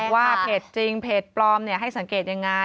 ว่าเพจจริงเพจปลอมให้สังเกตยังไง